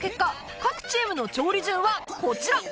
各チームの調理順はこちら